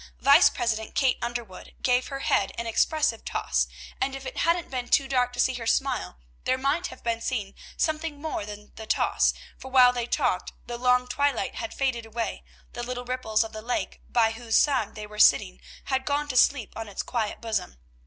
Vice President Kate Underwood gave her head an expressive toss, and, if it hadn't been too dark to see her smile, there might have been seen something more than the toss; for while they talked, the long twilight had faded away, the little ripples of the lake by whose side they were sitting had gone to sleep on its quiet bosom.